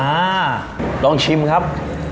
อ่าลองชิมครับ